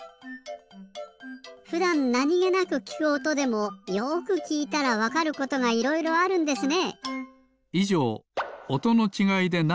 ふだんなにげなくきくおとでもよくきいたらわかることがいろいろあるんですね。